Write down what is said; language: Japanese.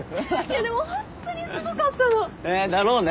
でもホントにすごかったの！だろうね。